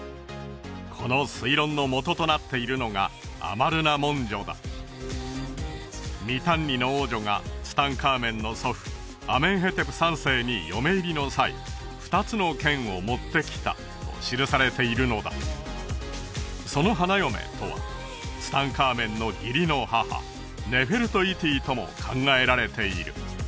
この推論のもととなっているのがアマルナ文書だミタンニの王女がツタンカーメンの祖父アメンヘテプ３世に嫁入りの際２つの剣を持ってきたと記されているのだその花嫁とはツタンカーメンの義理の母ネフェルト・イティとも考えられている